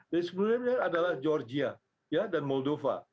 di sebelahnya adalah georgia dan moldova